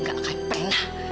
gak akan pernah